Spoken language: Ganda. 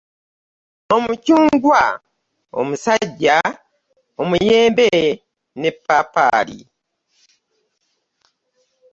Omukyungwa , omusajja, omuyembe n'epapaali .